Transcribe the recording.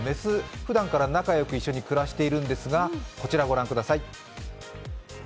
ふだんから仲良く一緒に暮らしているんですが、こちらご覧ください。